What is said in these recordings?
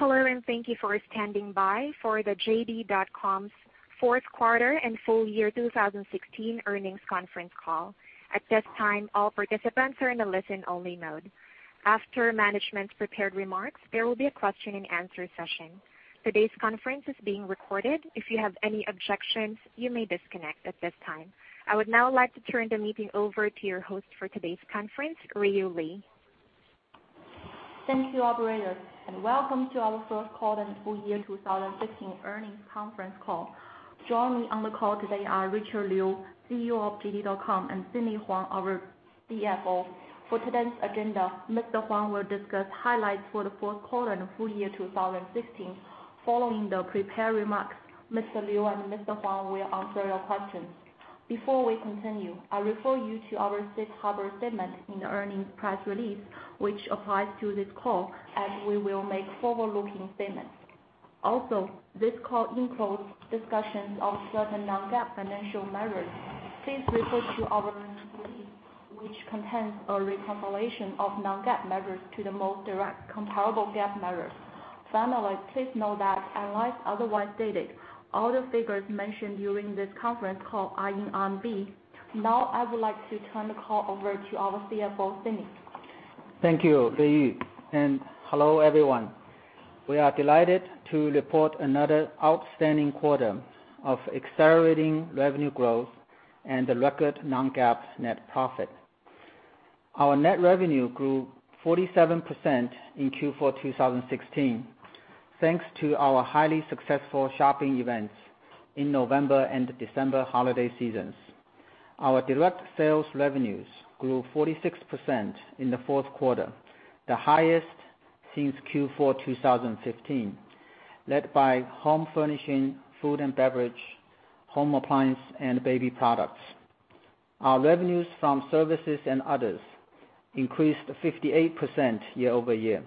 Hello. Thank you for standing by for the JD.com's fourth quarter and full year 2016 earnings conference call. At this time, all participants are in a listen-only mode. After management's prepared remarks, there will be a question and answer session. Today's conference is being recorded. If you have any objections, you may disconnect at this time. I would now like to turn the meeting over to your host for today's conference, Ruiyu Li. Thank you, operator. Welcome to our fourth quarter and full year 2016 earnings conference call. Joining on the call today are Richard Liu, CEO of JD.com, and Sidney Huang, our CFO. For today's agenda, Mr. Huang will discuss highlights for the fourth quarter and full year 2016. Following the prepared remarks, Mr. Liu and Mr. Huang will answer your questions. Before we continue, I refer you to our safe harbor statement in the earnings press release, which applies to this call as we will make forward-looking statements. This call includes discussions of certain non-GAAP financial measures. Please refer to our release, which contains a reconciliation of non-GAAP measures to the most direct comparable GAAP measures. Finally, please note that unless otherwise stated, all the figures mentioned during this conference call are in RMB. I would like to turn the call over to our CFO, Sidney. Thank you, Ruiyu. Hello, everyone. We are delighted to report another outstanding quarter of accelerating revenue growth and a record non-GAAP net profit. Our net revenue grew 47% in Q4 2016 thanks to our highly successful shopping events in November and December holiday seasons. Our direct sales revenues grew 46% in the fourth quarter, the highest since Q4 2015, led by home furnishing, food and beverage, home appliance, and baby products. Our revenues from services and others increased 58% year-over-year,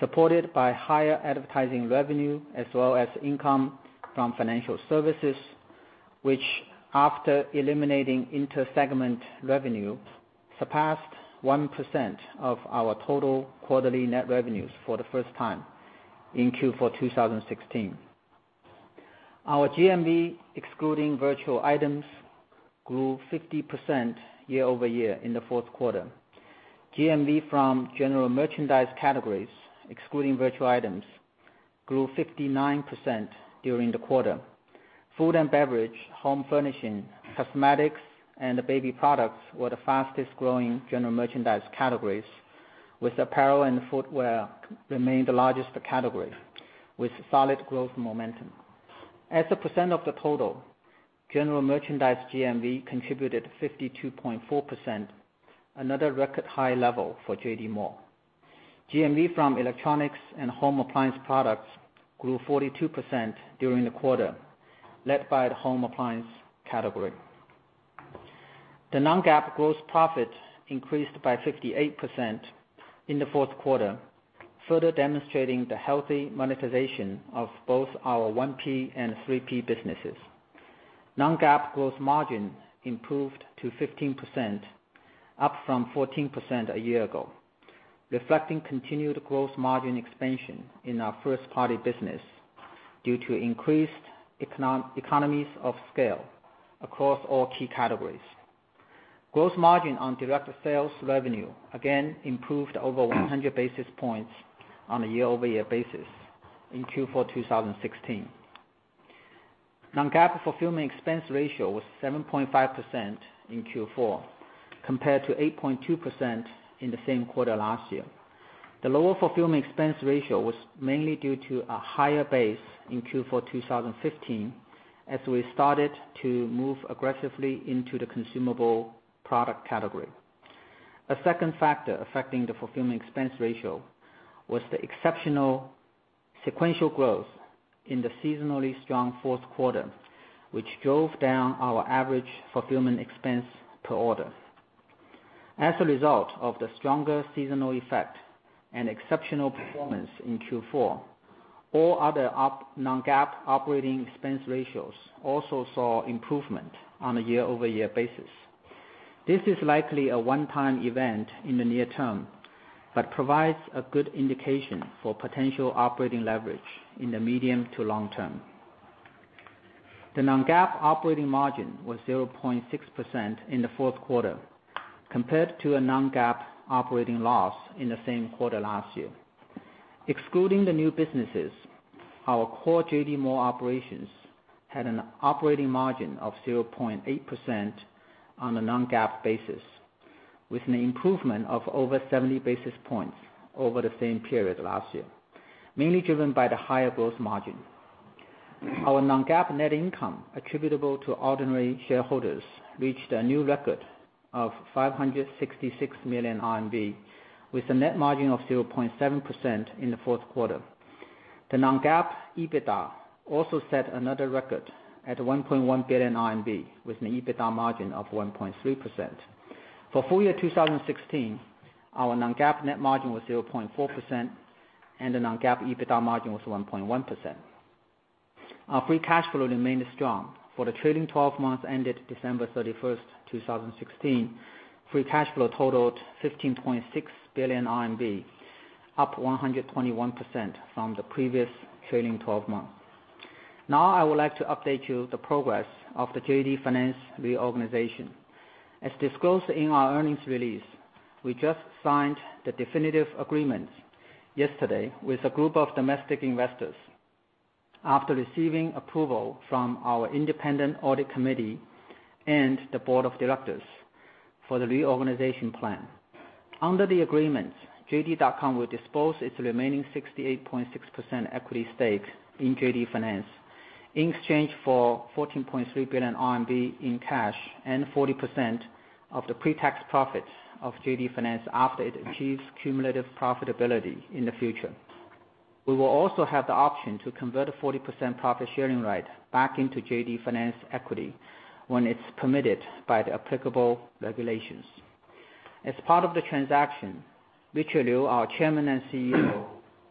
supported by higher advertising revenue as well as income from financial services, which after eliminating inter-segment revenue, surpassed 1% of our total quarterly net revenues for the first time in Q4 2016. Our GMV, excluding virtual items, grew 50% year-over-year in the fourth quarter. GMV from general merchandise categories, excluding virtual items, grew 59% during the quarter. Food and beverage, home furnishing, cosmetics, baby products were the fastest-growing general merchandise categories with apparel and footwear remaining the largest category with solid growth momentum. As a percent of the total, general merchandise GMV contributed 52.4%, another record-high level for JD Mall. GMV from electronics and home appliance products grew 42% during the quarter, led by the home appliance category. The non-GAAP gross profit increased by 58% in the fourth quarter, further demonstrating the healthy monetization of both our 1P and 3P businesses. Non-GAAP gross margin improved to 15%, up from 14% a year ago, reflecting continued gross margin expansion in our first-party business due to increased economies of scale across all key categories. Gross margin on direct sales revenue again improved over 100 basis points on a year-over-year basis in Q4 2016. Non-GAAP fulfillment expense ratio was 7.5% in Q4 compared to 8.2% in the same quarter last year. The lower fulfillment expense ratio was mainly due to a higher base in Q4 2015 as we started to move aggressively into the consumable product category. A second factor affecting the fulfillment expense ratio was the exceptional sequential growth in the seasonally strong fourth quarter, which drove down our average fulfillment expense per order. As a result of the stronger seasonal effect and exceptional performance in Q4, all other non-GAAP operating expense ratios also saw improvement on a year-over-year basis. This is likely a one-time event in the near term but provides a good indication for potential operating leverage in the medium to long term. The non-GAAP operating margin was 0.6% in the fourth quarter compared to a non-GAAP operating loss in the same quarter last year. Excluding the new businesses, our core JD Mall operations had an operating margin of 0.8% on a non-GAAP basis with an improvement of over 70 basis points over the same period last year, mainly driven by the higher gross margin. Our non-GAAP net income attributable to ordinary shareholders reached a new record of 566 million RMB with a net margin of 0.7% in the fourth quarter. The non-GAAP EBITDA also set another record at 1.1 billion RMB with an EBITDA margin of 1.3%. For full year 2016, our non-GAAP net margin was 0.4% and the non-GAAP EBITDA margin was 1.1%. Our free cash flow remained strong. For the trailing 12 months ended December 31st, 2016, free cash flow totaled 15.6 billion RMB, up 121% from the previous trailing 12 months. I would like to update you the progress of the JD Finance reorganization. As disclosed in our earnings release, we just signed the definitive agreement yesterday with a group of domestic investors after receiving approval from our independent audit committee and the board of directors for the reorganization plan. Under the agreement, JD.com will dispose its remaining 68.6% equity stake in JD Finance in exchange for 14.3 billion RMB in cash and 40% of the pre-tax profits of JD Finance after it achieves cumulative profitability in the future. We will also have the option to convert a 40% profit sharing right back into JD Finance equity when it is permitted by the applicable regulations. As part of the transaction, Richard Liu, our Chairman and CEO,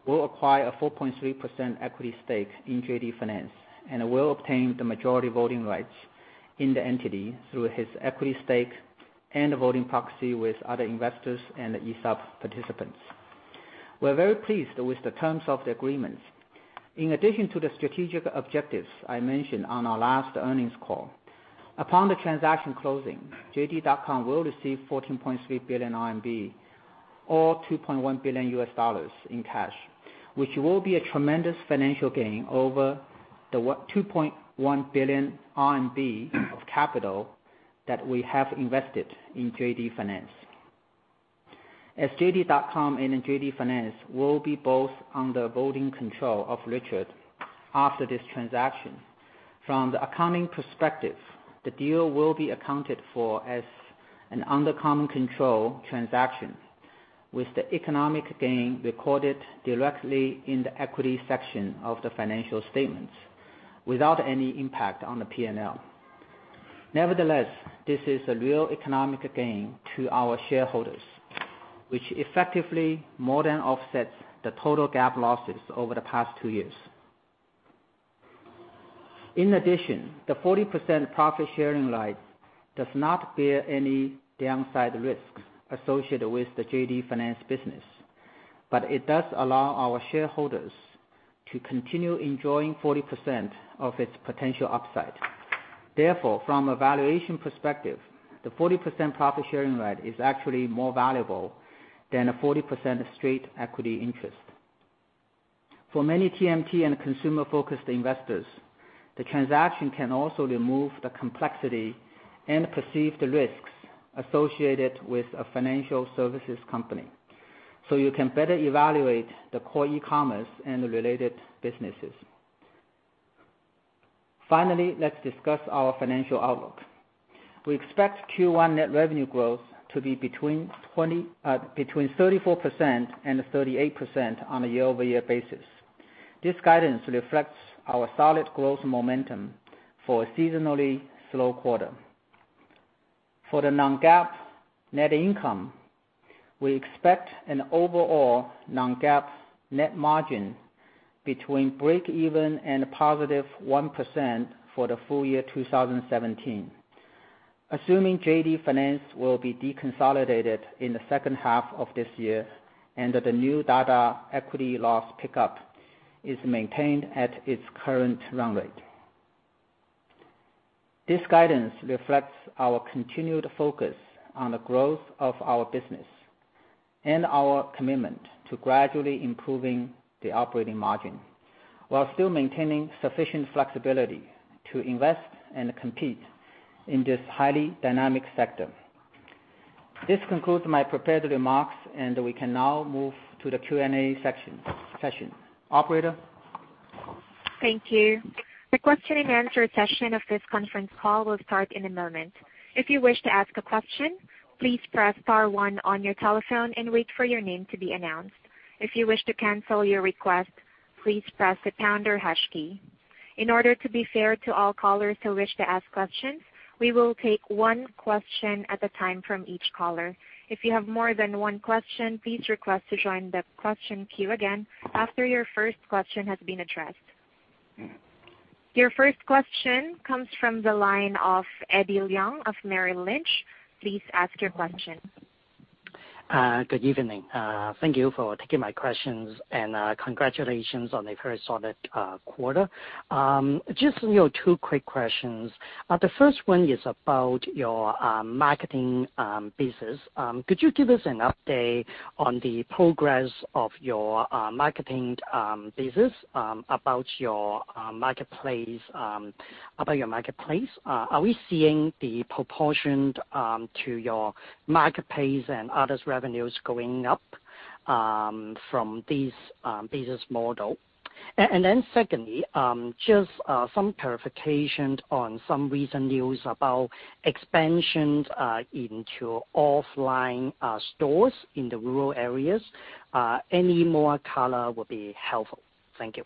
will acquire a 4.3% equity stake in JD Finance and will obtain the majority voting rights in the entity through his equity stake and voting proxy with other investors and the ESOP participants. We are very pleased with the terms of the agreement. In addition to the strategic objectives I mentioned on our last earnings call, upon the transaction closing, JD.com will receive 14.3 billion RMB or $2.1 billion in cash, which will be a tremendous financial gain over the 2.1 billion RMB of capital that we have invested in JD Finance. As JD.com and JD Finance will be both under voting control of Richard after this transaction, from the accounting perspective, the deal will be accounted for as an under common control transaction with the economic gain recorded directly in the equity section of the financial statements without any impact on the P&L. Nevertheless, this is a real economic gain to our shareholders, which effectively more than offsets the total GAAP losses over the past two years. In addition, the 40% profit sharing right does not bear any downside risk associated with the JD Finance business, but it does allow our shareholders to continue enjoying 40% of its potential upside. Therefore, from a valuation perspective, the 40% profit-sharing right is actually more valuable than a 40% straight equity interest. For many TMT and consumer-focused investors, the transaction can also remove the complexity and perceived risks associated with a financial services company so you can better evaluate the core e-commerce and the related businesses. Finally, let's discuss our financial outlook. We expect Q1 net revenue growth to be between 34% and 38% on a year-over-year basis. This guidance reflects our solid growth momentum for a seasonally slow quarter. For the non-GAAP net income, we expect an overall non-GAAP net margin between breakeven and a +1% for the full year 2017, assuming JD Finance will be deconsolidated in the second half of this year and that the New Dada equity loss pickup is maintained at its current run rate. This guidance reflects our continued focus on the growth of our business and our commitment to gradually improving the operating margin while still maintaining sufficient flexibility to invest and compete in this highly dynamic sector. This concludes my prepared remarks, and we can now move to the Q&A session. Operator? Thank you. The question-and-answer session of this conference call will start in a moment. If you wish to ask a question, please press star one on your telephone and wait for your name to be announced. If you wish to cancel your request, please press the pound or hash key. In order to be fair to all callers who wish to ask questions, we will take one question at a time from each caller. If you have more than one question, please request to join the question queue again after your first question has been addressed. Your first question comes from the line of Eddie Leung of Merrill Lynch. Please ask your question. Good evening. Thank you for taking my questions, and congratulations on a very solid quarter. Just real two quick questions. The first one is about your marketing business. Could you give us an update on the progress of your marketing business about your marketplace? Are we seeing the proportion to your marketplace and 3P revenues going up from this business model? Secondly, just some clarification on some recent news about expansions into offline stores in the rural areas. Any more color would be helpful. Thank you.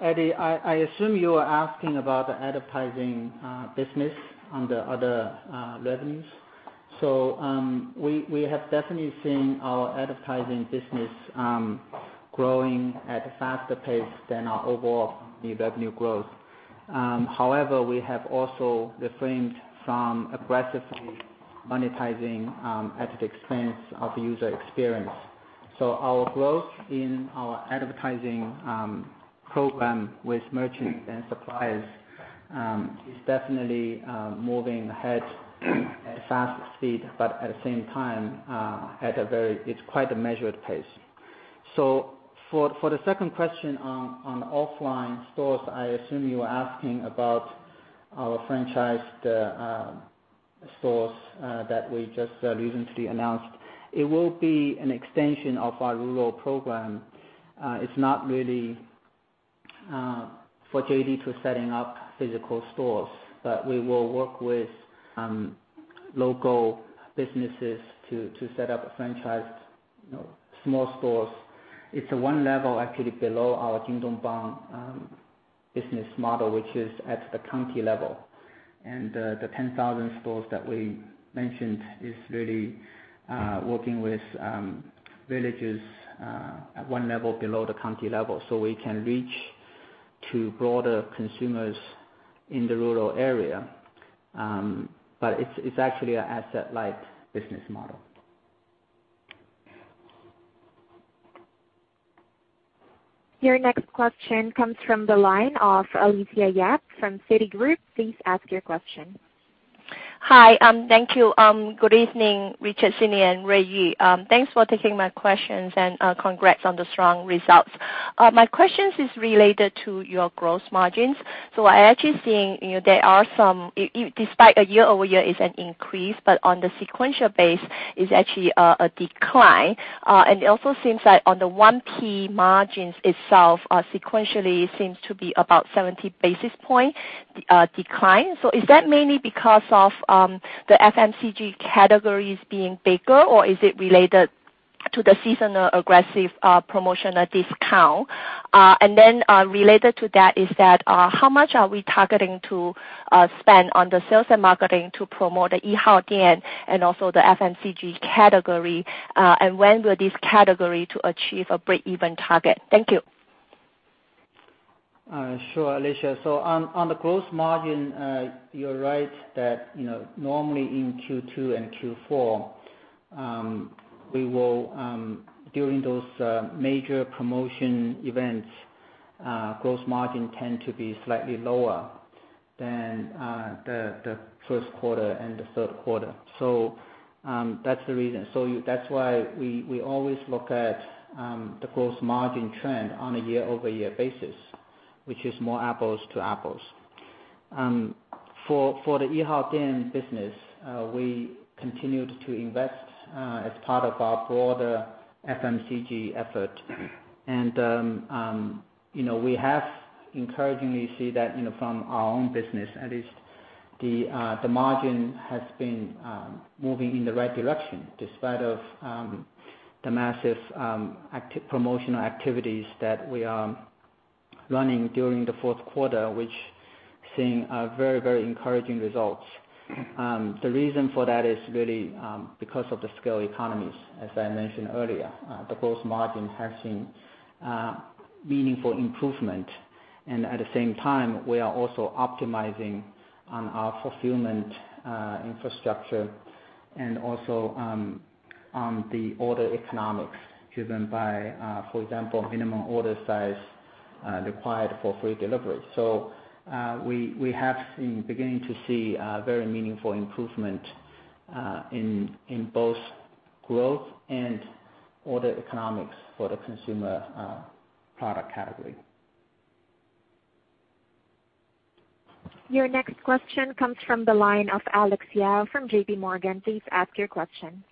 Eddie, I assume you are asking about the advertising business on the other revenues. We have definitely seen our advertising business growing at a faster pace than our overall new revenue growth. However, we have also refrained from aggressively monetizing at the expense of user experience. Our growth in our advertising program with merchants and suppliers is definitely moving ahead at fast speed, but at the same time, it's quite a measured pace. For the second question on offline stores, I assume you are asking about our franchised stores that we just recently announced. It will be an extension of our rural program. It's not really for JD to set up physical stores, but we will work with local businesses to set up a franchised small stores. It's one level actually below our Jingdong Bang business model, which is at the county level. The 10,000 stores that we mentioned is really working with villages at one level below the county level, so we can reach to broader consumers in the rural area. It's actually an asset-light business model. Your next question comes from the line of Alicia Yap from Citigroup. Please ask your question. Hi. Thank you. Good evening, Richard, Sidney, and Ruiyu Li. Thanks for taking my questions, and congrats on the strong results. My questions is related to your gross margins. I actually think there are some. Despite a year-over-year is an increase, but on the sequential base is actually a decline. It also seems like on the 1P margins itself, sequentially seems to be about 70 basis point decline. Is that mainly because of the FMCG categories being bigger, or is it related to the seasonal aggressive promotional discount? Related to that, how much are we targeting to spend on the sales and marketing to promote the Yihaodian and also the FMCG category? When will this category to achieve a breakeven target? Thank you. Sure, Alicia. On the gross margin, you're right that normally in Q2 and Q4, during those major promotion events, gross margin tend to be slightly lower than the first quarter and the third quarter. That's the reason. That's why we always look at the gross margin trend on a year-over-year basis, which is more apples to apples. For the Yihaodian business, we continued to invest as part of our broader FMCG effort. We have encouragingly see that from our own business, at least the margin has been moving in the right direction, despite of the massive promotional activities that we are running during the fourth quarter, which seeing very encouraging results. The reason for that is really because of the scale economies, as I mentioned earlier. The gross margin has seen meaningful improvement, and at the same time, we are also optimizing on our fulfillment infrastructure and also on the order economics driven by, for example, minimum order size required for free delivery. We have been beginning to see a very meaningful improvement in both growth and order economics for the consumer product category. Your next question comes from the line of Alex Yao from JPMorgan. Please ask your question.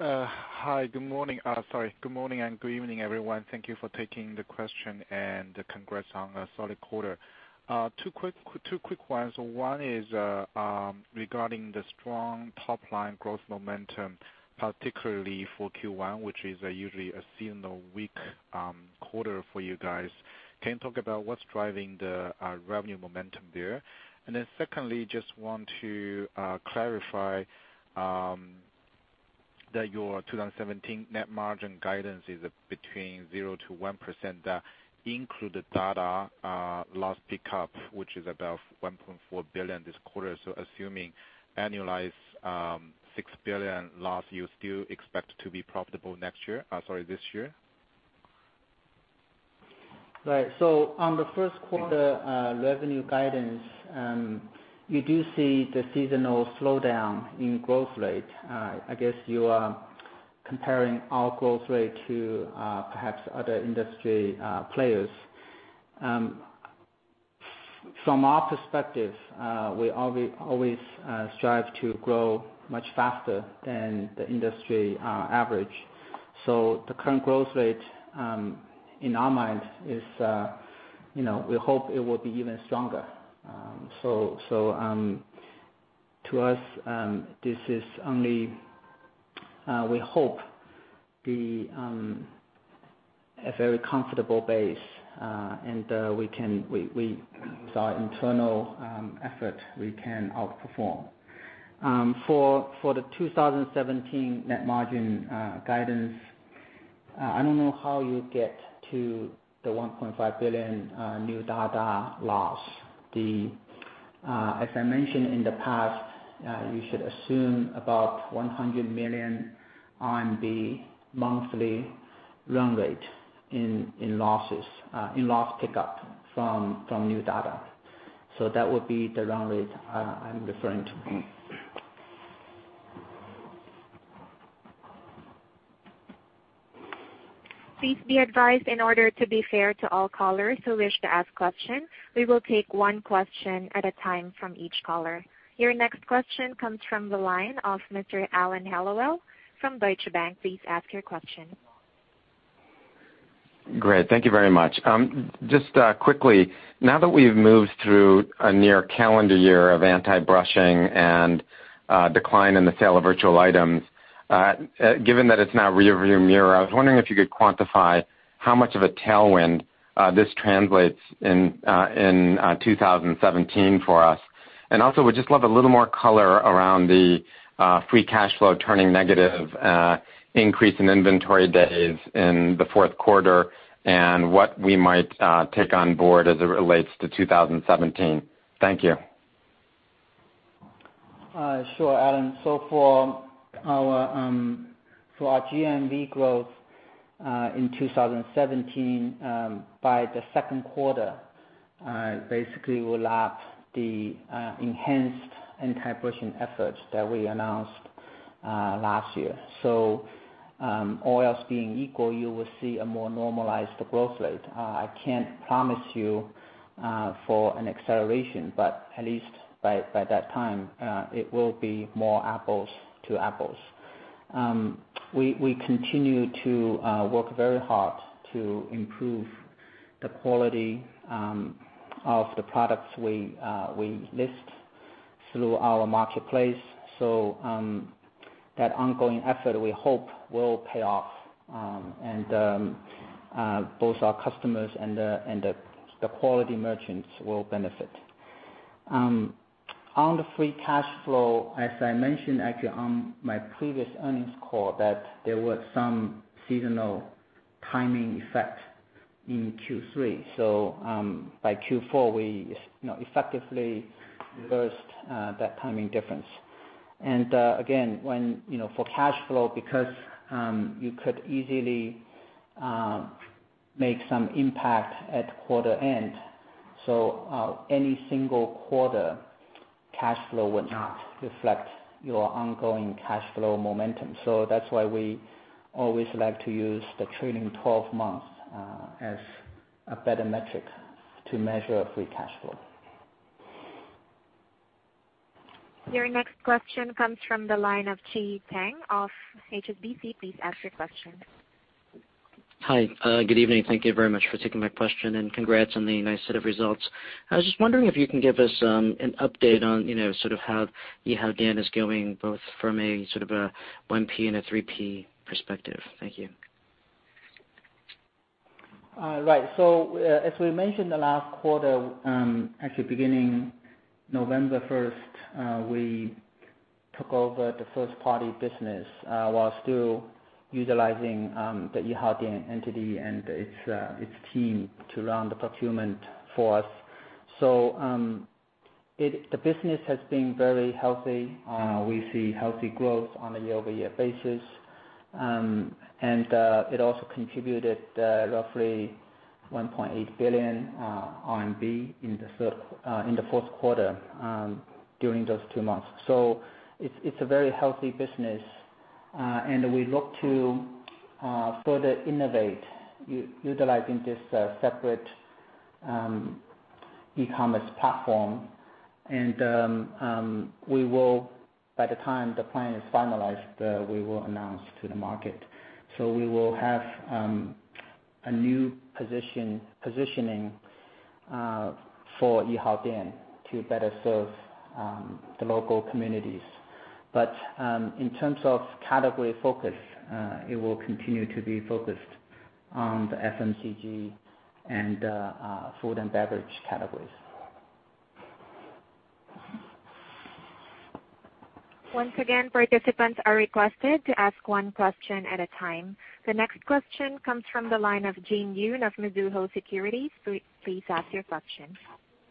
Hi, good morning. Sorry, good morning and good evening, everyone. Thank you for taking the question, and congrats on a solid quarter. Two quick ones. One is regarding the strong top-line growth momentum, particularly for Q1, which is usually a seasonal weak quarter for you guys. Can you talk about what's driving the revenue momentum there? Secondly, just want to clarify that your 2017 net margin guidance is between 0%-1% that include the Dada loss pickup, which is about 1.4 billion this quarter. Assuming annualized 6 billion loss, you still expect to be profitable this year? On the first quarter revenue guidance, you do see the seasonal slowdown in growth rate. I guess you are comparing our growth rate to perhaps other industry players. From our perspective, we always strive to grow much faster than the industry average. The current growth rate, in our mind is, we hope it will be even stronger. To us, this is only a very comfortable base, and with our internal effort, we can outperform. For the 2017 net margin guidance, I don't know how you get to the 1.5 billion New Dada loss. As I mentioned in the past, you should assume about 100 million RMB monthly run rate in loss pickup from New Dada. That would be the run rate I'm referring to. Please be advised, in order to be fair to all callers who wish to ask questions, we will take one question at a time from each caller. Your next question comes from the line of Mr. Alan Hellawell from Deutsche Bank. Please ask your question. Great. Thank you very much. Just quickly, now that we've moved through a near calendar year of anti-brushing and a decline in the sale of virtual items, given that it's now rearview mirror, I was wondering if you could quantify how much of a tailwind this translates in 2017 for us. Also, would just love a little more color around the free cash flow turning negative, increase in inventory days in the fourth quarter, and what we might take on board as it relates to 2017. Thank you. Sure, Alan. For our GMV growth in 2017, by the second quarter, basically we'll lap the enhanced anti-brushing efforts that we announced last year. All else being equal, you will see a more normalized growth rate. I can't promise you for an acceleration, but at least by that time it will be more apples to apples. We continue to work very hard to improve the quality of the products we list through our marketplace. That ongoing effort, we hope, will pay off, and both our customers and the quality merchants will benefit. On the free cash flow, as I mentioned actually on my previous earnings call, that there was some seasonal timing effect in Q3. By Q4, we effectively reversed that timing difference. Again for cash flow, because you could easily make some impact at quarter end, any single quarter cash flow would not reflect your ongoing cash flow momentum. That's why we always like to use the trailing 12 months as a better metric to measure free cash flow. Your next question comes from the line of Chi Tsang of HSBC. Please ask your question. Hi. Good evening. Thank you very much for taking my question, congrats on the nice set of results. I was just wondering if you can give us an update on sort of how Yihaodian is going, both from a sort of a 1P and a 3P perspective. Thank you. Right. As we mentioned the last quarter, actually beginning November 1st, we took over the first party business while still utilizing the Yihaodian entity and its team to run the procurement for us. The business has been very healthy. We see healthy growth on a year-over-year basis. It also contributed roughly 1.8 billion RMB in the fourth quarter during those two months. It's a very healthy business, we look to further innovate utilizing this separate e-commerce platform. By the time the plan is finalized, we will announce to the market. We will have a new positioning for Yihaodian to better serve the local communities. In terms of category focus, it will continue to be focused on the FMCG and food and beverage categories. Once again, participants are requested to ask one question at a time. The next question comes from the line of Jin Yoon of Mizuho Securities. Please ask your question.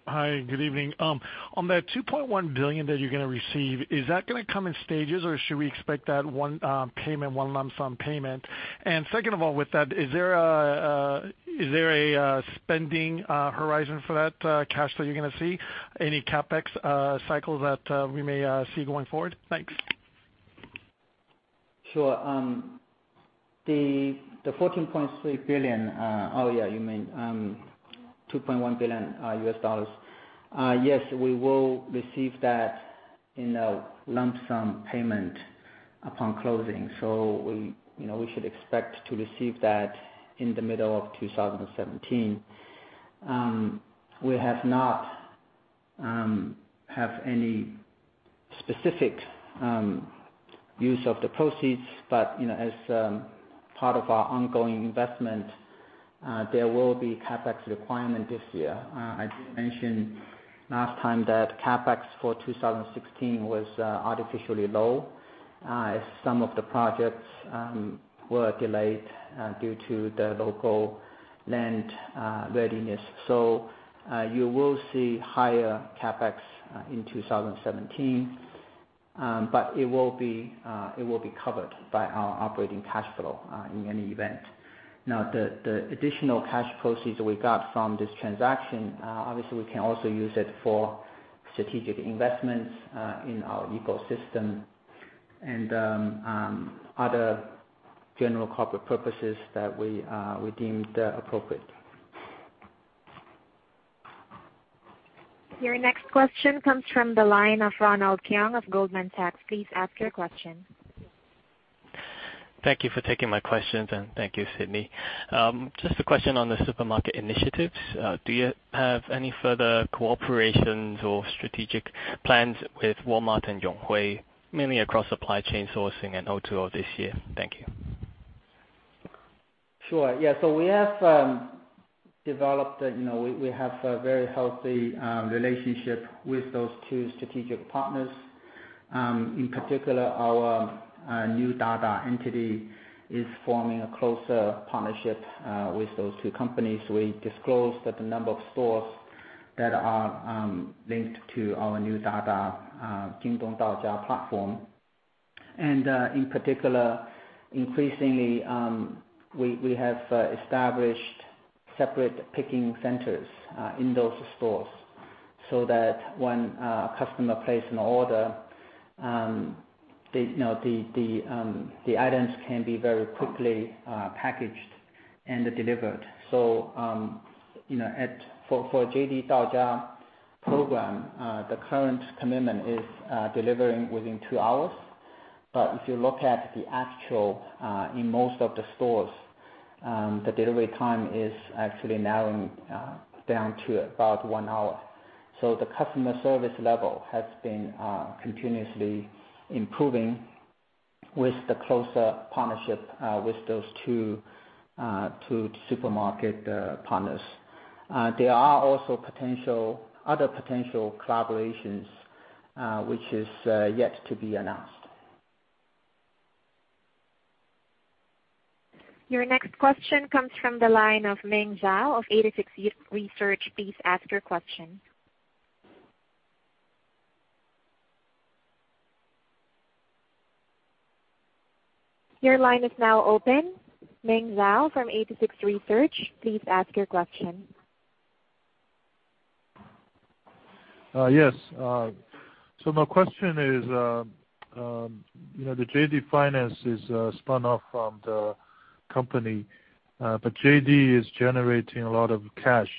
Hi, good evening. On that $2.1 billion that you're going to receive, is that going to come in stages, or should we expect that one lump sum payment? And second of all, with that, is there a spending horizon for that cash that you're going to see? Any CapEx cycles that we may see going forward? Thanks. Sure. The 14.3 billion. Oh, yeah, you mean $2.1 billion. Yes, we will receive that in a lump sum payment upon closing. We should expect to receive that in the middle of 2017. We have not Have any specific use of the proceeds. But as part of our ongoing investment, there will be CapEx requirement this year. I did mention last time that CapEx for 2016 was artificially low. Some of the projects were delayed due to the local land readiness. You will see higher CapEx in 2017, but it will be covered by our operating cash flow in any event. The additional cash proceeds we got from this transaction, obviously we can also use it for strategic investments in our ecosystem and other general corporate purposes that we deemed appropriate. Your next question comes from the line of Ronald Keung of Goldman Sachs. Please ask your question. Thank you for taking my questions, and thank you, Sidney. Just a question on the supermarket initiatives. Do you have any further cooperations or strategic plans with Walmart and Yonghui, mainly across supply chain sourcing and O2O this year? Thank you. Sure. We have developed a very healthy relationship with those two strategic partners. In particular, our New Dada entity is forming a closer partnership with those two companies. We disclosed that the number of stores that are linked to our New Dada platform. In particular, increasingly, we have established separate picking centers in those stores so that when a customer places an order, the items can be very quickly packaged and delivered. For JD program, the current commitment is delivering within 2 hours. If you look at the actual in most of the stores, the delivery time is actually narrowing down to about one hour. The customer service level has been continuously improving with the closer partnership with those two supermarket partners. There are also other potential collaborations, which is yet to be announced. Your next question comes from the line of Ming Zhao of 86Research. Please ask your question. Your line is now open. Ming Zhao from 86Research. Please ask your question. Yes. My question is, the JD Finance is a spun off from the company. JD is generating a lot of cash.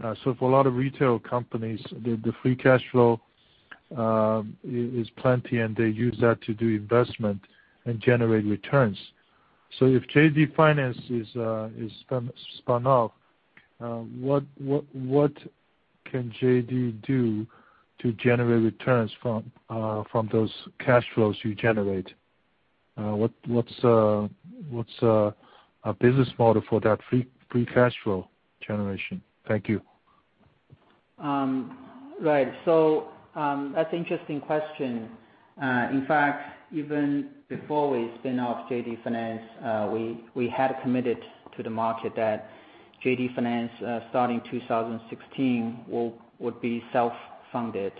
For a lot of retail companies, the free cash flow is plenty, and they use that to do investment and generate returns. If JD Finance is spun off, what can JD do to generate returns from those cash flows you generate? What's a business model for that free cash flow generation? Thank you. Right. That's interesting question. In fact, even before we spin off JD Finance, we had committed to the market that JD Finance, starting 2016, would be self-funded.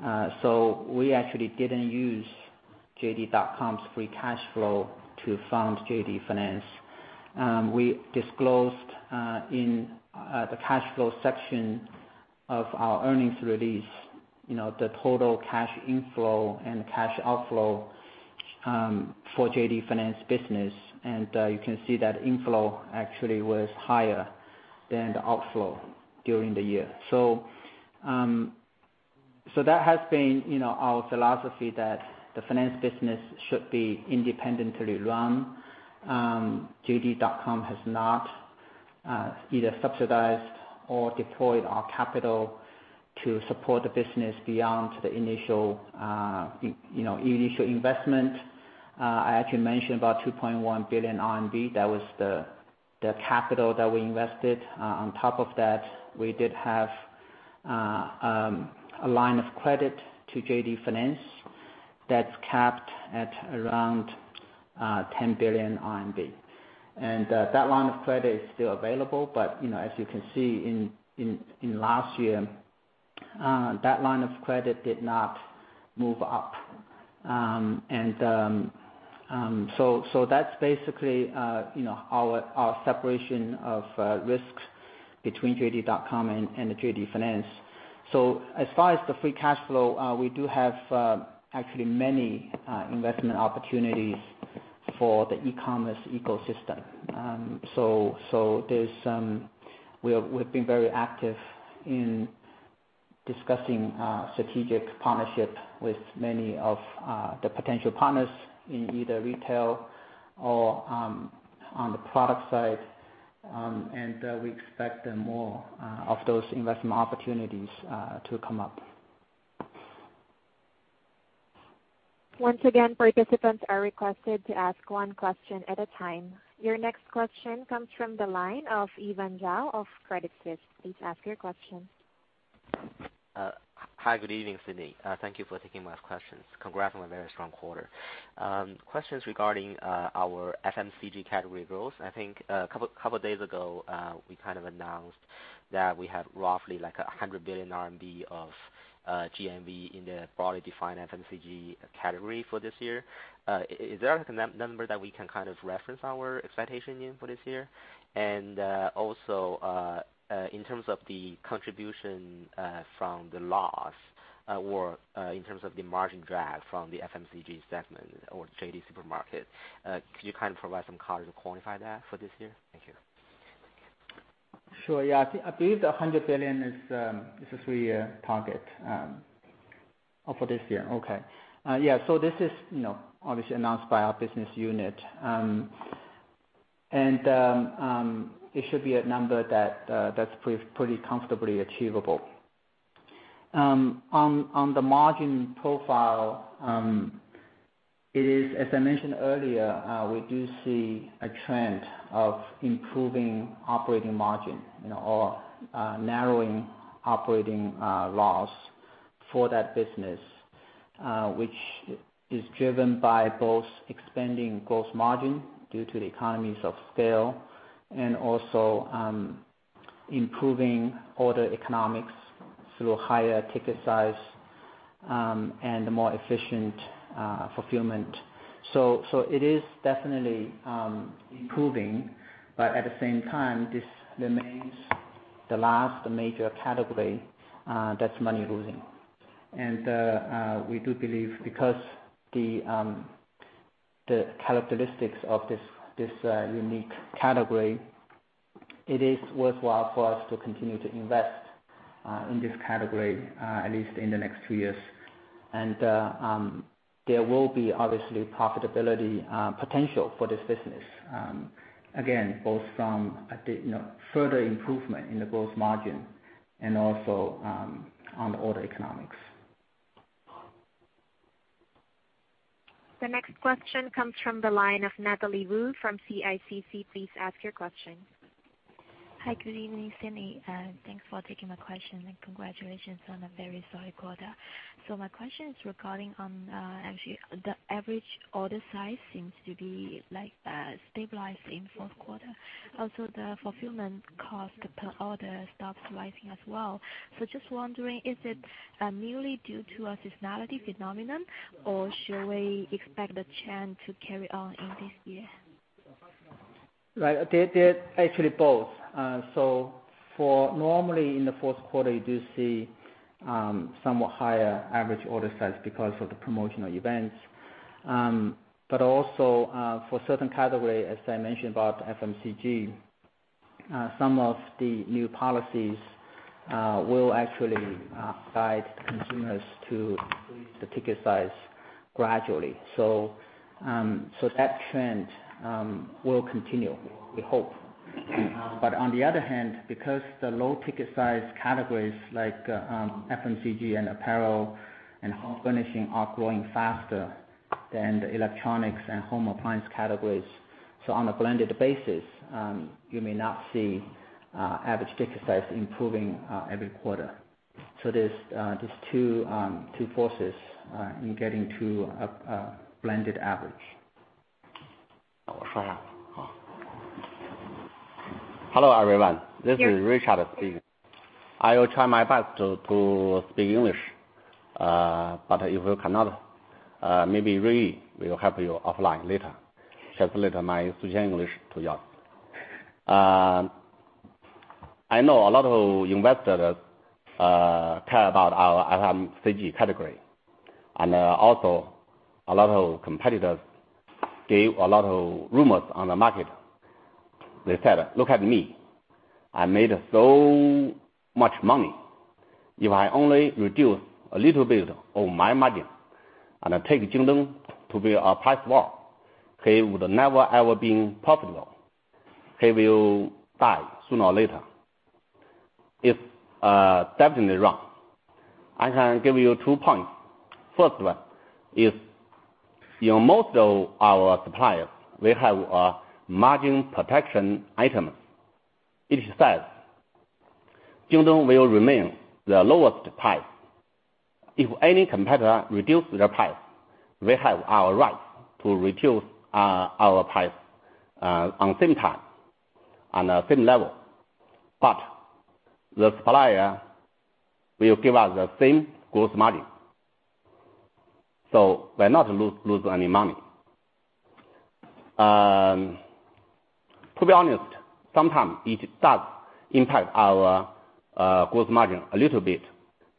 We actually didn't use JD.com's free cash flow to fund JD Finance. We disclosed in the cash flow section of our earnings release, the total cash inflow and cash outflow for JD Finance business. You can see that inflow actually was higher than the outflow during the year. That has been our philosophy that the finance business should be independently run. JD.com has not either subsidized or deployed our capital to support the business beyond the initial investment. I actually mentioned about 2.1 billion RMB. That was the capital that we invested. On top of that, we did have a line of credit to JD Finance that's capped at around 10 billion RMB. That line of credit is still available but, as you can see in last year, that line of credit did not move up. That's basically our separation of risks between JD.com and JD Finance. As far as the free cash flow, we do have actually many investment opportunities for the e-commerce ecosystem. We've been very active in discussing strategic partnership with many of the potential partners in either retail or on the product side. We expect more of those investment opportunities to come up. Once again, participants are requested to ask one question at a time. Your next question comes from the line of Evan Zhou of Credit Suisse. Please ask your question. Hi. Good evening, Sidney. Thank you for taking my questions. Congrats on a very strong quarter. Questions regarding our FMCG category growth. I think a couple days ago, we announced that we have roughly 100 billion RMB of GMV in the broadly defined FMCG category for this year. Is there a number that we can reference our expectation in for this year? In terms of the contribution from the loss or in terms of the margin drag from the FMCG segment or JD Supermarket, could you provide some color to quantify that for this year? Thank you. Sure. Yeah. I believe the 100 billion is a three-year target. Oh, for this year. Okay. Yeah. This is obviously announced by our business unit. It should be a number that's pretty comfortably achievable. On the margin profile, as I mentioned earlier, we do see a trend of improving operating margin or narrowing operating loss for that business, which is driven by both expanding gross margin due to the economies of scale and also improving order economics through higher ticket size and more efficient fulfillment. It is definitely improving, but at the same time, this remains the last major category that's money-losing. We do believe because the characteristics of this unique category, it is worthwhile for us to continue to invest in this category, at least in the next few years. There will be obviously profitability potential for this business. Again, both from further improvement in the gross margin and also on the order economics. The next question comes from the line of Natalie Wu from CICC. Please ask your question. Hi. Good evening, Sidney. Thanks for taking my question and congratulations on a very solid quarter. My question is regarding on actually the average order size seems to be stabilized in fourth quarter. Also, the fulfillment cost per order stops rising as well. Just wondering, is it merely due to a seasonality phenomenon, or shall we expect the trend to carry on in this year? Right. They're actually both. Normally in the fourth quarter, you do see somewhat higher average order size because of the promotional events. Also, for certain category, as I mentioned about FMCG, some of the new policies will actually guide consumers to increase the ticket size gradually. That trend will continue, we hope. On the other hand, because the low ticket size categories like FMCG and apparel and home furnishing are growing faster than the electronics and home appliance categories. On a blended basis, you may not see average ticket size improving every quarter. There's two forces in getting to a blended average. Hello, everyone. This is Richard speaking. I will try my best to speak English. If you cannot, maybe Ray will help you offline later translate my Suzhou English to you all. I know a lot of investors care about our FMCG category. Also, a lot of competitors gave a lot of rumors on the market. They said, "Look at me, I made so much money. If I only reduce a little bit of my margin and I take Jingdong to be a price war, he would never, ever been profitable. He will die sooner or later." It's definitely wrong. I can give you two points. First one is, in most of our suppliers, we have a margin protection item. It says Jingdong will remain the lowest price. If any competitor reduce their price, we have our right to reduce our price on same time, on the same level. The supplier will give us the same gross margin. We're not lose any money. To be honest, sometimes it does impact our gross margin a little bit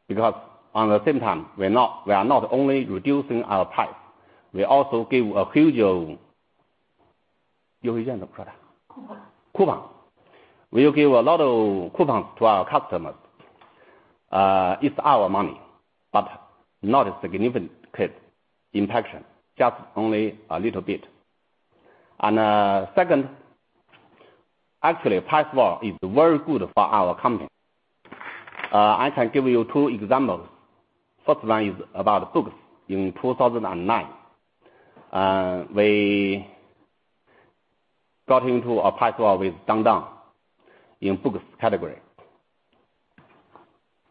because on the same time, we are not only reducing our price, we also give a huge coupon. We give a lot of coupons to our customers It's our money, but not a significant impact, just only a little bit. Second, actually, price war is very good for our company. I can give you two examples. First one is about books. In 2009, we got into a price war with Dangdang in books category.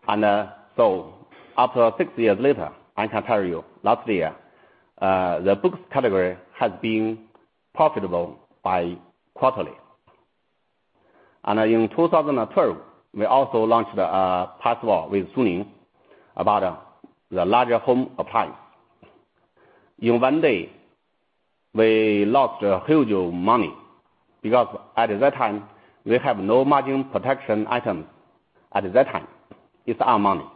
After six years later, I can tell you last year, the books category has been profitable by quarterly. In 2012, we also launched a price war with Suning about the larger home appliance. In one day, we lost huge money because at that time, we have no margin protection item at that time. It's our money.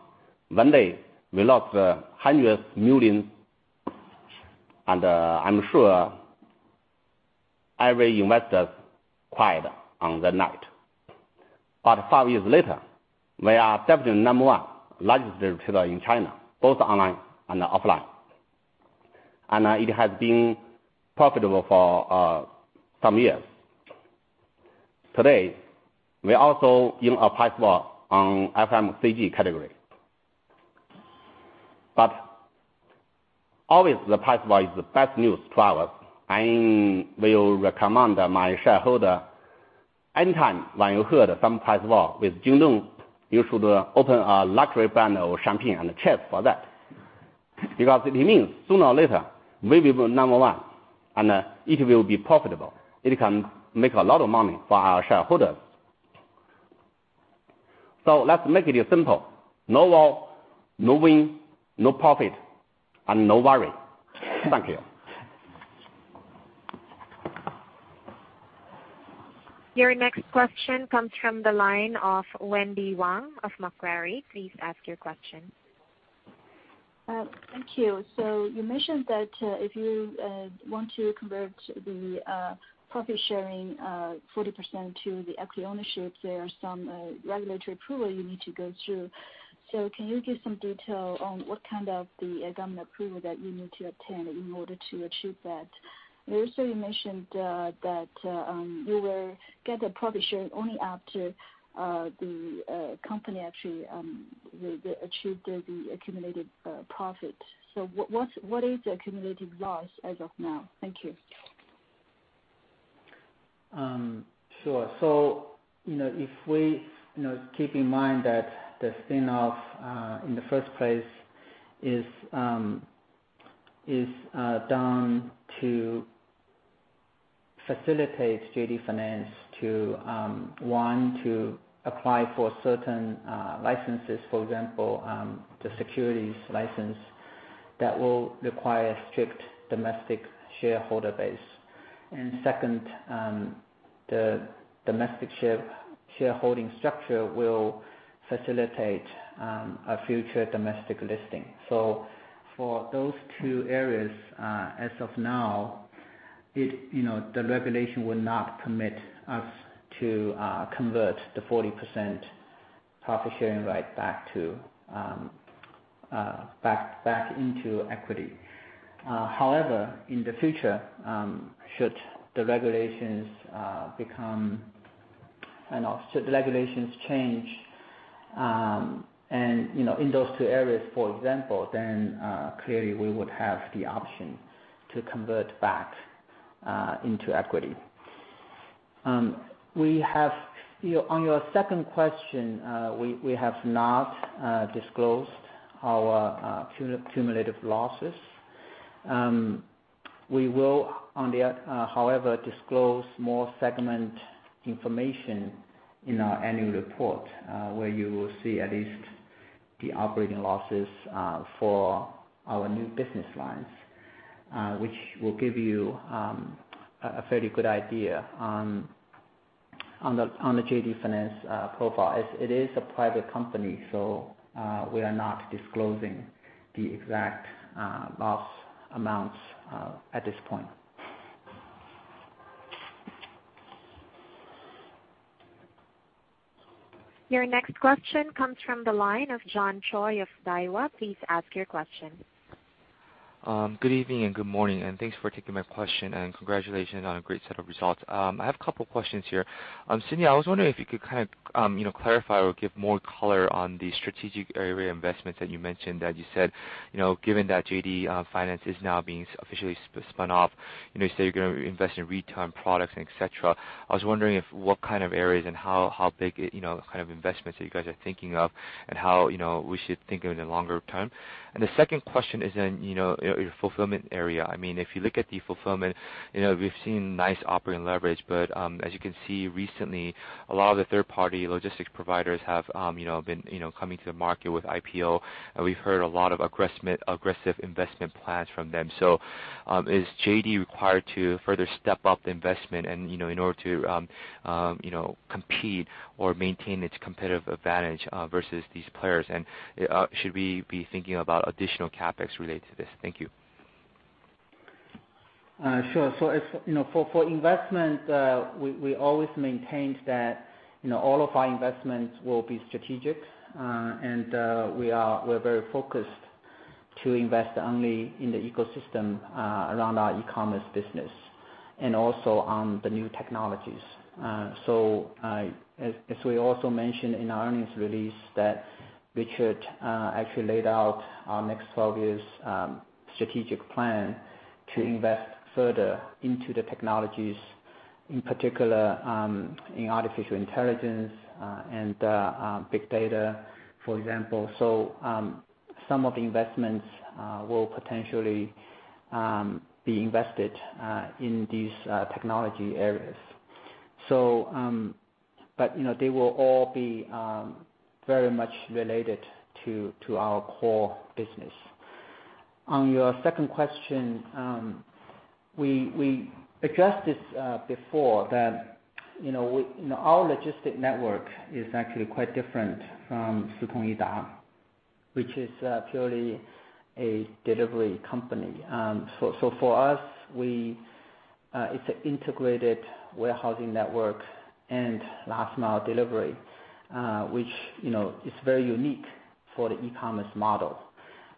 One day, we lost hundreds, millions, and I'm sure every investor cried on that night. Five years later, we are absolutely number one largest distributor in China, both online and offline. It has been profitable for some years. Today, we're also in a price war on FMCG category. Always the price war is the best news to us. I will recommend my shareholder, anytime when you heard some price war with JD, you should open a luxury brand of champagne and cheers for that, because it means sooner or later, we will be number one, and it will be profitable. It can make a lot of money for our shareholders. Let's make it simple. No war, no win, no profit, and no worry. Thank you. Your next question comes from the line of Wendy Huang of Macquarie. Please ask your question. Thank you. You mentioned that if you want to convert the profit sharing 40% to the equity ownership, there are some regulatory approval you need to go through. Can you give some detail on what kind of the government approval that you need to obtain in order to achieve that? Also, you mentioned that you will get a profit share only after the company actually achieved the accumulated profit. What is the accumulated loss as of now? Thank you. Sure. If we keep in mind that the spin-off, in the first place, is down to facilitate JD Finance to, one, to apply for certain licenses. For example, the securities license that will require strict domestic shareholder base. Second, the domestic shareholding structure will facilitate a future domestic listing. For those two areas, as of now, the regulation will not permit us to convert the 40% profit sharing right back into equity. However, in the future, should the regulations change in those two areas, for example, clearly we would have the option to convert back into equity. On your second question, we have not disclosed our cumulative losses. We will, however, disclose more segment information in our annual report, where you will see at least the operating losses for our new business lines, which will give you a fairly good idea on the JD Finance profile. It is a private company, we are not disclosing the exact loss amounts at this point. Your next question comes from the line of John Choi of Daiwa. Please ask your question. Good evening and good morning, thanks for taking my question, and congratulations on a great set of results. I have a couple questions here. Sidney, I was wondering if you could clarify or give more color on the strategic area investments that you mentioned. As you said, given that JD Finance is now being officially spun off, you said you're going to invest in return products, et cetera. I was wondering what kind of areas and how big, kind of investments that you guys are thinking of and how we should think of it in longer term. The second question is in your fulfillment area. If you look at the fulfillment, we've seen nice operating leverage. But as you can see recently, a lot of the third-party logistics providers have been coming to the market with IPO, and we've heard a lot of aggressive investment plans from them. Is JD required to further step up investment in order to compete or maintain its competitive advantage versus these players? Should we be thinking about additional CapEx related to this? Thank you. Sure. For investment, we always maintained that all of our investments will be strategic. We're very focused to invest only in the ecosystem around our e-commerce business, and also on the new technologies. As we also mentioned in our earnings release, that Richard actually laid out our next 12 years strategic plan to invest further into the technologies, in particular, in artificial intelligence, and big data, for example. Some of the investments will potentially be invested in these technology areas. They will all be very much related to our core business. On your second question, we addressed this before, that our logistics network is actually quite different from, which is purely a delivery company. For us, it's an integrated warehousing network and last mile delivery, which is very unique for the e-commerce model.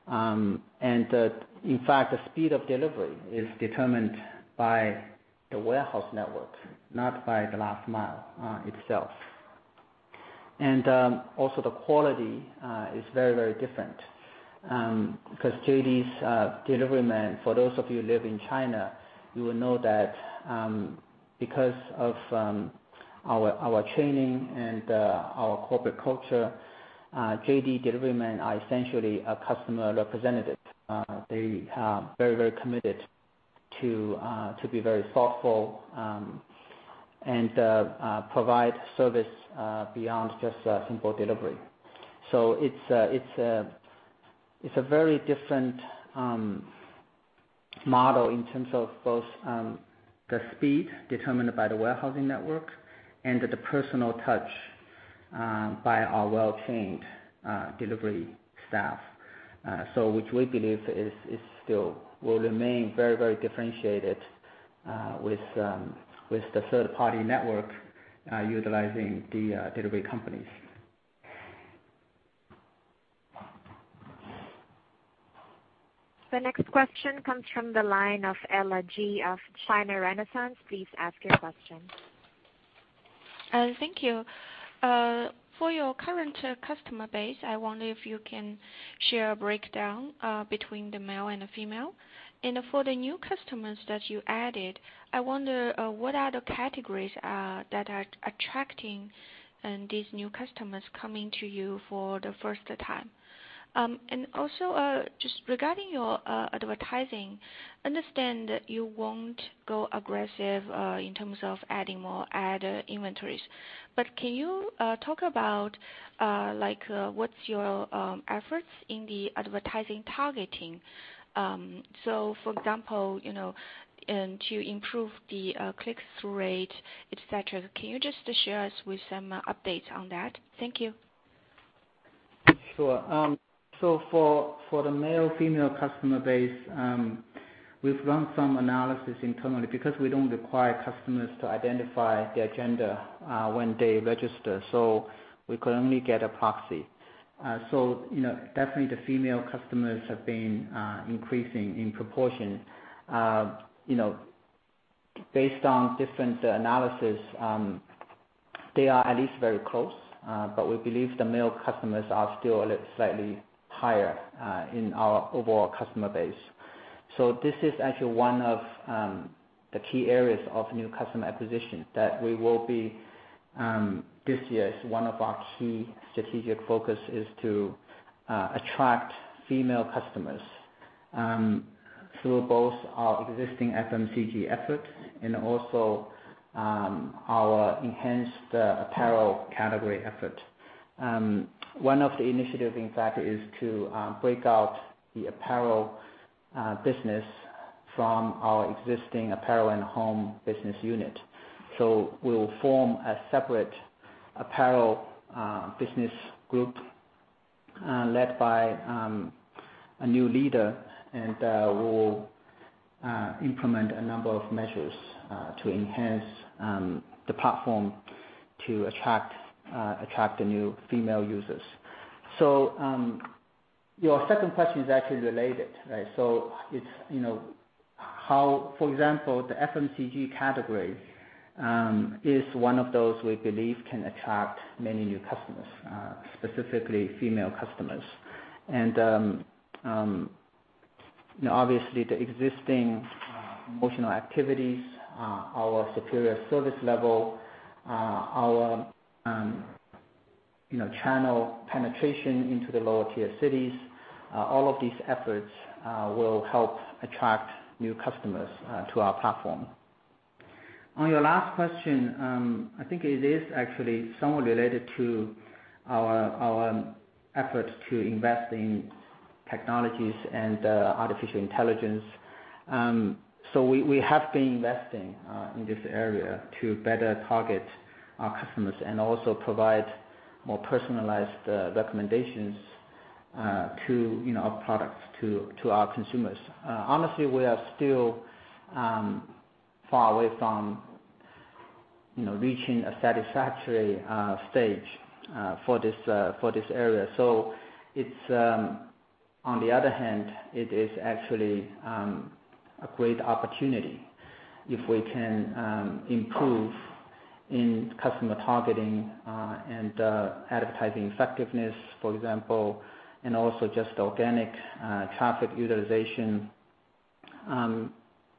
In fact, the speed of delivery is determined by the warehouse network, not by the last mile itself. Also the quality is very different. Because JD's delivery men, for those of you who live in China, you will know that because of our training and our corporate culture, JD delivery men are essentially a customer representative. They are very committed to be very thoughtful, and provide service beyond just simple delivery. It's a very different model in terms of both the speed determined by the warehousing network and the personal touch by our well-trained delivery staff. Which we believe will remain very differentiated with the third-party network utilizing the delivery companies. The next question comes from the line of Ella Ji of China Renaissance. Please ask your question. Thank you. For your current customer base, I wonder if you can share a breakdown between the male and the female. For the new customers that you added, I wonder what are the categories that are attracting these new customers coming to you for the first time? Also, just regarding your advertising, I understand that you won't go aggressive in terms of adding more ad inventories. Can you talk about what's your efforts in the advertising targeting? For example, to improve the click-through rate, et cetera, can you just share us with some updates on that? Thank you. Sure. For the male-female customer base, we've run some analysis internally because we don't require customers to identify their gender when they register, so we could only get a proxy. Definitely the female customers have been increasing in proportion. Based on different analysis, they are at least very close. We believe the male customers are still slightly higher in our overall customer base. This is actually one of the key areas of new customer acquisition that this year, is one of our key strategic focus is to attract female customers through both our existing FMCG efforts and also our enhanced apparel category effort. One of the initiatives, in fact, is to break out the apparel business from our existing apparel and home business unit. We'll form a separate apparel business group led by a new leader, and we will implement a number of measures to enhance the platform to attract the new female users. Your second question is actually related, right? For example, the FMCG category is one of those we believe can attract many new customers, specifically female customers. Obviously, the existing promotional activities, our superior service level, our channel penetration into the lower tier cities, all of these efforts will help attract new customers to our platform. On your last question, I think it is actually somewhat related to our effort to invest in technologies and artificial intelligence. We have been investing in this area to better target our customers and also provide more personalized recommendations Our products to our consumers. Honestly, we are still far away from reaching a satisfactory stage for this area. On the other hand, it is actually a great opportunity if we can improve in customer targeting and advertising effectiveness, for example, and also just organic traffic utilization.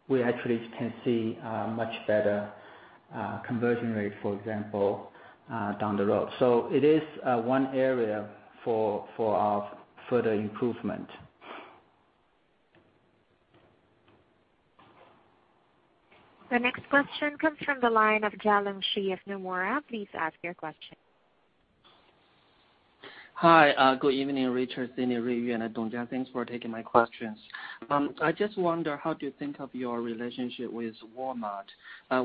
We actually can see a much better conversion rate, for example, down the road. It is one area for our further improvement. The next question comes from the line of Jialong Shi of Nomura. Please ask your question. Hi. Good evening, Richard, Sidney, Ray, and Dong Jiang. Thanks for taking my questions. I just wonder, how do you think of your relationship with Walmart?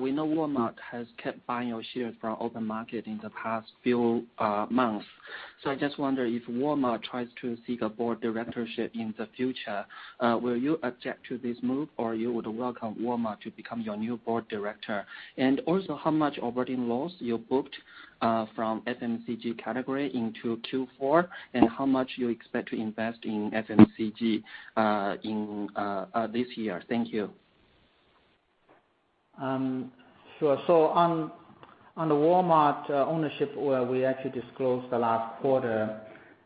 We know Walmart has kept buying your shares from open market in the past few months. I just wonder if Walmart tries to seek a board directorship in the future, will you object to this move, or you would welcome Walmart to become your new board director? How much operating loss you booked from FMCG category into Q4, and how much you expect to invest in FMCG this year? Thank you. Sure. On the Walmart ownership, where we actually disclosed the last quarter,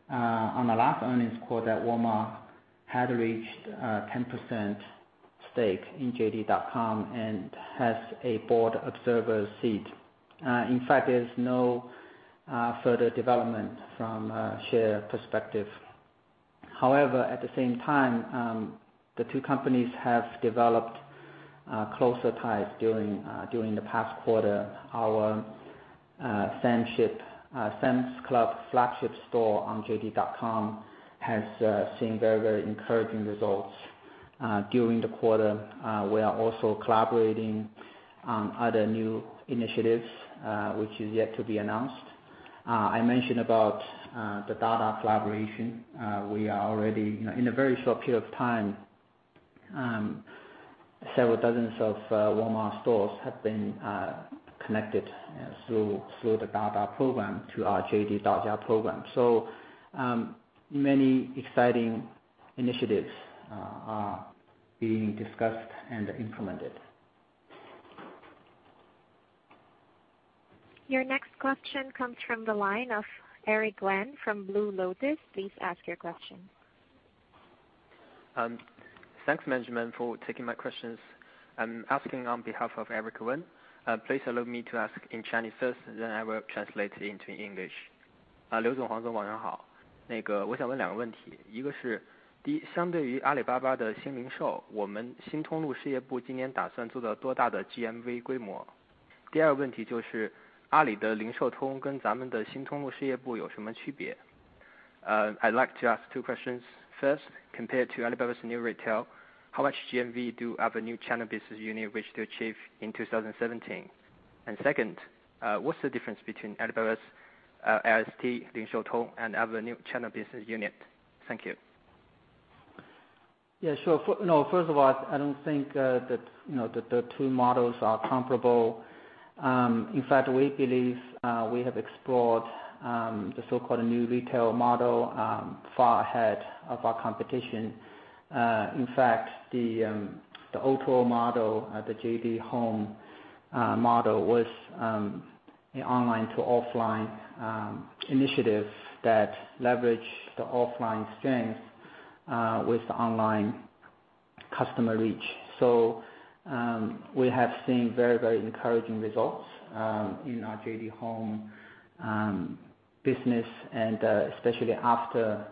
on the last earnings call that Walmart had reached a 10% stake in JD.com and has a board observer seat. In fact, there's no further development from a share perspective. However, at the same time, the two companies have developed closer ties during the past quarter. Our Sam's Club flagship store on JD.com has seen very encouraging results during the quarter. We are also collaborating on other new initiatives, which are yet to be announced. I mentioned about the Dada collaboration. In a very short period of time, several dozens of Walmart stores have been connected through the Dada program to our JD Daojia program. Many exciting initiatives are being discussed and implemented. Your next question comes from the line of Eric Wen from Blue Lotus. Please ask your question. Thanks, management, for taking my questions. I'm asking on behalf of Eric Wen. Please allow me to ask in Chinese first, then I will translate into English. I'd like to ask two questions. First, compared to Alibaba's new retail, how much GMV do our new channel business unit wish to achieve in 2017? Second, what's the difference between Alibaba's LST, and our new channel business unit? Thank you. Yeah, sure. First of all, I don't think that the two models are comparable. In fact, we believe we have explored the so-called new retail model far ahead of our competition. In fact, the O2O model, the JD Home model was an online-to-offline initiative that leveraged the offline strength with the online customer reach. We have seen very encouraging results in our JD Home business, and especially after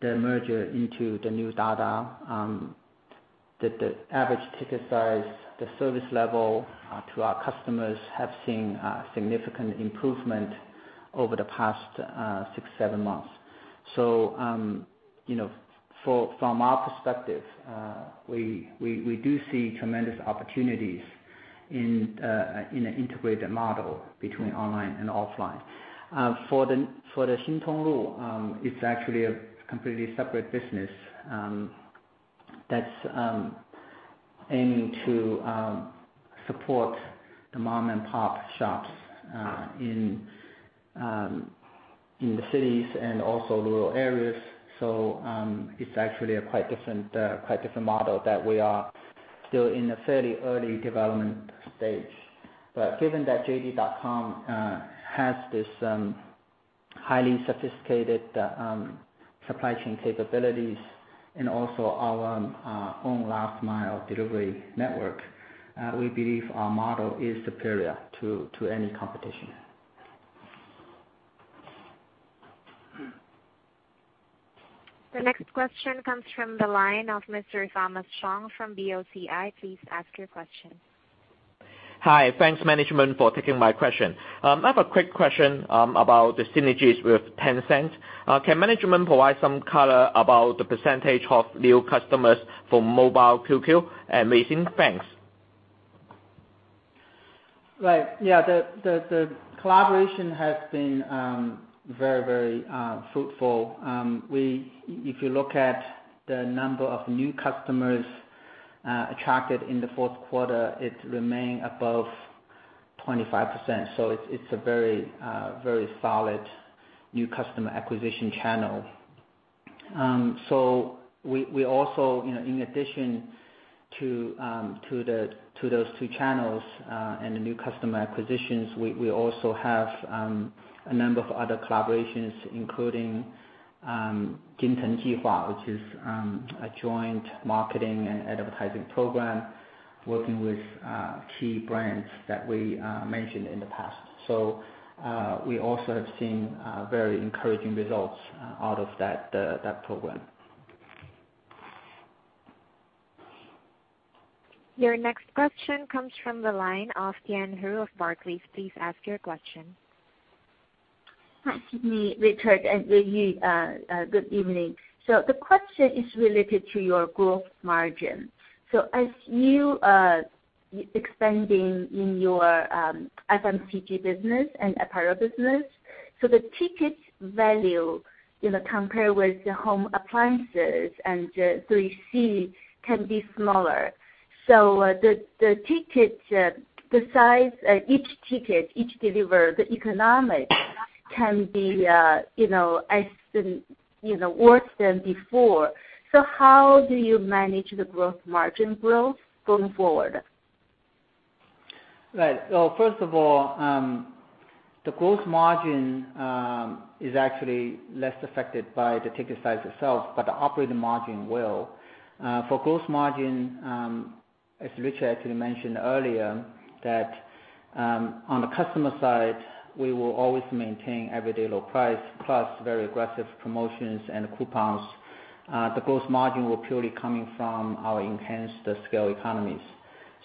the merger into the New Dada. The average ticket size, the service level to our customers have seen significant improvement over the past six, seven months. From our perspective, we do see tremendous opportunities in an integrated model between online and offline. For the Xin Tong Lu, it's actually a completely separate business that's aiming to support the mom-and-pop shops in the cities and also rural areas. It's actually a quite different model that we are still in a fairly early development stage. Given that JD.com has these highly sophisticated supply chain capabilities and also our own last mile delivery network, we believe our model is superior to any competition. The next question comes from the line of Mr. Thomas Chong from BOCI. Please ask your question. Hi. Thanks, management for taking my question. I have a quick question about the synergies with Tencent. Can management provide some color about the % of new customers for Mobile QQ and Weixin? Thanks. Right. Yeah, the collaboration has been very fruitful. If you look at the number of new customers attracted in the fourth quarter, it remained above 25%. It is a very solid new customer acquisition channel. We also, in addition to those two channels and the new customer acquisitions, we also have a number of other collaborations, including Jing Teng plan, which is a joint marketing and advertising program working with key brands that we mentioned in the past. We also have seen very encouraging results out of that program. Your next question comes from the line of Yan Hu of Barclays. Please ask your question. Hi, Sidney, Richard, and Rui. Good evening. The question is related to your gross margin. As you are expanding in your FMCG business and apparel business, the ticket value compared with the home appliances and 3C can be smaller. The size, each ticket, each delivery, the economics can be worse than before. How do you manage the gross margin growth going forward? Right. First of all, the gross margin is actually less affected by the ticket size itself, but the operating margin will. For gross margin, as Richard actually mentioned earlier that on the customer side, we will always maintain everyday low price plus very aggressive promotions and coupons. The gross margin will purely coming from our enhanced scale economies.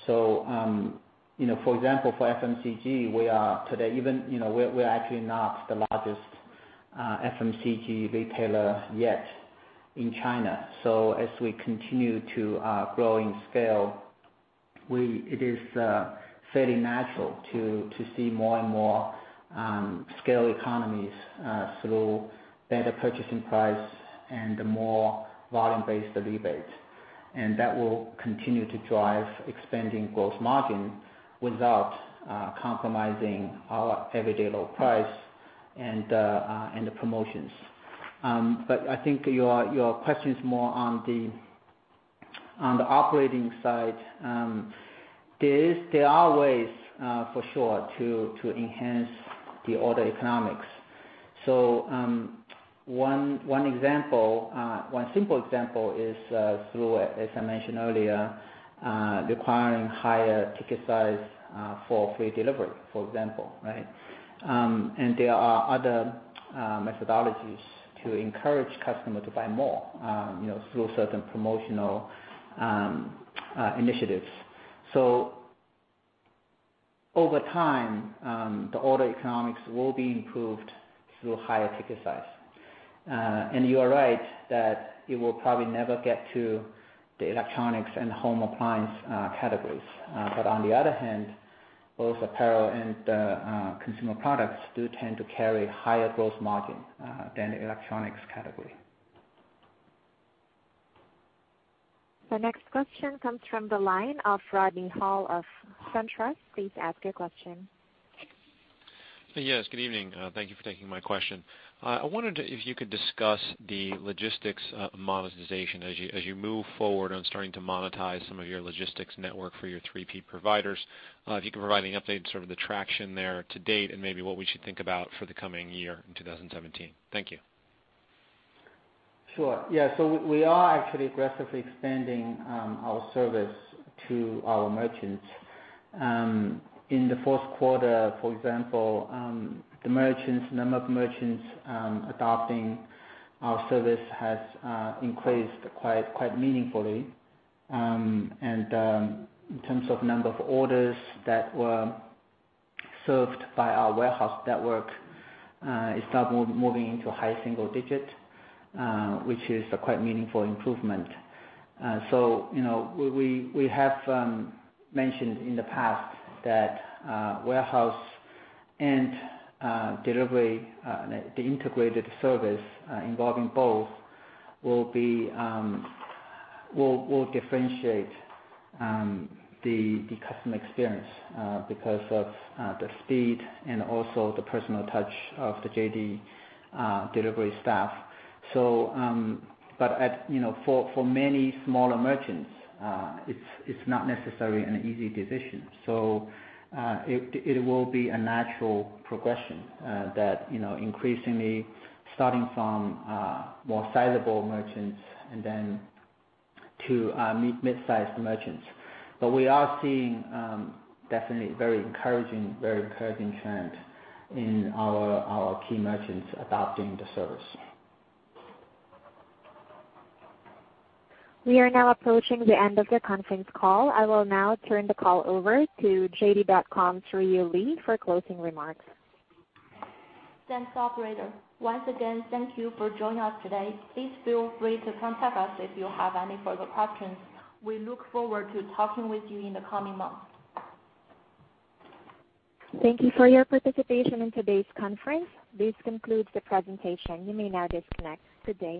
For example, for FMCG, we are today, we are actually not the largest FMCG retailer yet in China. As we continue to grow in scale, it is fairly natural to see more and more scale economies through better purchasing price and more volume-based rebates. That will continue to drive expanding gross margin without compromising our everyday low price and the promotions. I think your question is more on the operating side. There are ways for sure to enhance the order economics. One simple example is through, as I mentioned earlier, requiring higher ticket size for free delivery, for example, right? There are other methodologies to encourage customer to buy more through certain promotional initiatives. Over time, the order economics will be improved through higher ticket size. You are right that it will probably never get to the electronics and home appliance categories. On the other hand, both apparel and consumer products do tend to carry higher gross margin than the electronics category. The next question comes from the line of Rodney Hull of SunTrust. Please ask your question. Yes, good evening. Thank you for taking my question. I wondered if you could discuss the logistics monetization as you move forward on starting to monetize some of your logistics network for your 3P providers. If you could provide any update, sort of the traction there to date and maybe what we should think about for the coming year in 2017. Thank you. We are actually aggressively expanding our service to our merchants. In the fourth quarter, for example, the number of merchants adopting our service has increased quite meaningfully. In terms of number of orders that were served by our warehouse network, it started moving into high single digit, which is a quite meaningful improvement. We have mentioned in the past that warehouse and delivery, the integrated service involving both will differentiate the customer experience because of the speed and also the personal touch of the JD delivery staff. For many smaller merchants, it is not necessarily an easy decision. It will be a natural progression that increasingly starting from more sizable merchants and then to mid-sized merchants. We are seeing definitely very encouraging trend in our key merchants adopting the service. We are now approaching the end of the conference call. I will now turn the call over to JD.com's Ruiyu Li for closing remarks. Thanks, operator. Once again, thank you for joining us today. Please feel free to contact us if you have any further questions. We look forward to talking with you in the coming months. Thank you for your participation in today's conference. This concludes the presentation. You may now disconnect. Good day.